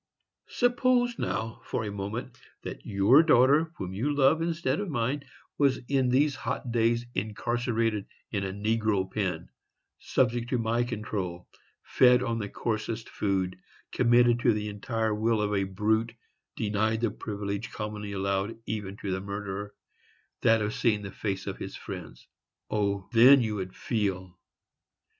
Suppose, now, for a moment, that your daughter, whom you love, instead of mine, was in these hot days incarcerated in a negro pen, subject to my control, fed on the coarsest food, committed to the entire will of a brute, denied the privilege commonly allowed even to the murderer—that of seeing the face of his friends? O! then, you would FEEL!